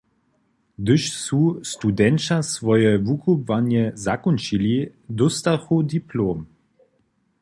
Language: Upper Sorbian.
Hdyž su studenća swoje wukubłanje zakónčili, dóstachu diplom.